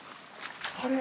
あれ？